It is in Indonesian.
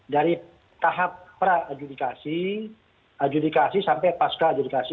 dari tahap pra adjudikasi adjudikasi sampai pasca adjudikasi